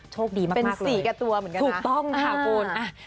โชคดีมากเป็น๔กับตัวเหมือนกันถูกต้องค่ะคุณ